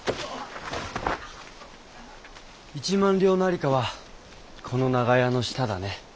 一万両の在りかはこの長屋の下だね。